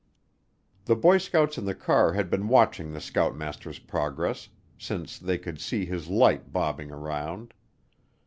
The boy scouts in the car had been watching the scoutmaster's progress since they could see his light bobbing around.